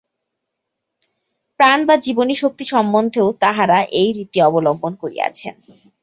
প্রাণ বা জীবনী-শক্তি সম্বন্ধেও তাঁহারা এই রীতি অবলম্বন করিয়াছিলেন।